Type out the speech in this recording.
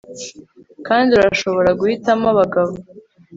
kandi urashobora guhitamo abagabo